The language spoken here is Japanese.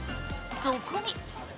そこに。